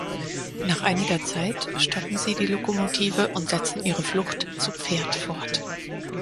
Nach einiger Zeit stoppen sie die Lokomotive und setzen ihre Flucht zu Pferd fort.